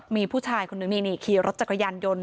มีผู้ชายคนนึงนี่ขี่รถจักรยานยนต์